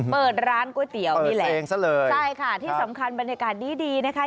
เปิดร้านก๋วยเตี๋ยวนี่แหละเองซะเลยใช่ค่ะที่สำคัญบรรยากาศดีดีนะคะ